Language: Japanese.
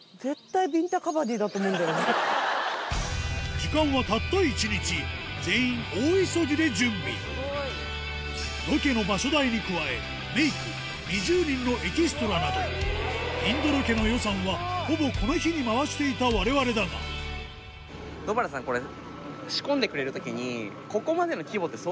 時間はたった１日全員大急ぎで準備ロケの場所代に加えメイク２０人のエキストラなどインドロケの予算はほぼこの日に回していたわれわれだがドヴァルさんこれ。